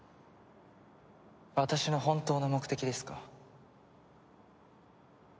私の本当の目的ですか。